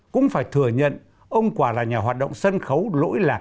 cũng phải thừa nhận ông quả là nhà hoạt động sân khấu lỗi lạc